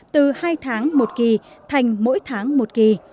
từ hai tháng một kỳ thành mỗi tháng một kỳ